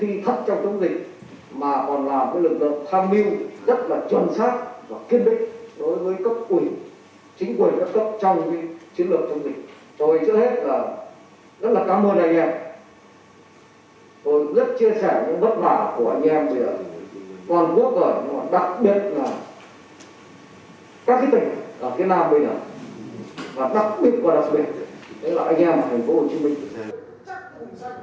tôi trước hết rất là cảm ơn anh em tôi rất chia sẻ những vất vả của anh em toàn quốc gọi đặc biệt là các tỉnh ở phía nam bên này và đặc biệt là anh em ở thành phố hồ chí minh